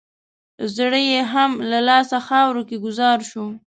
زړه یې هم له لاسه خاورو کې ګوزار شو.